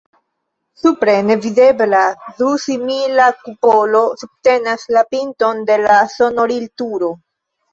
Supre, nevidebla, dua simila kupolo subtenas la pinton de la sonorilturo.